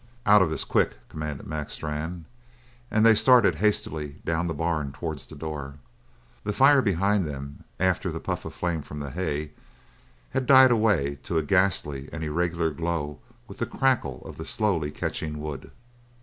"Out of this quick!" commanded Mac Strann, and they started hastily down the barn towards the door. The fire behind them, after the puff of flame from the hay, had died away to a ghastly and irregular glow with the crackle of the slowly catching wood.